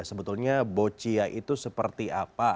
sebetulnya boccia itu seperti apa